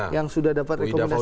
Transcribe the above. yang sudah dapat rekomendasi